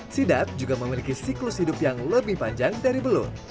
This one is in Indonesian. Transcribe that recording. sidat juga memiliki siklus hidup yang lebih panjang dari belut